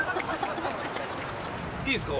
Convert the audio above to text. いいですか？